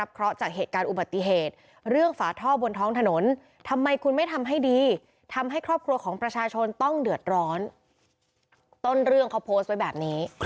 ก็ต้องเดือดร้อนต้นเรื่องเขาโพสต์ไว้แบบนี้